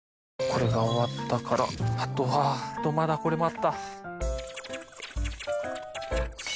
これが終わったからあとはまだこれもあった。